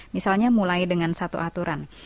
misalnya mulai dengan satu aturan